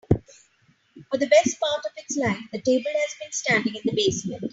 For the best part of its life, the table has been standing in the basement.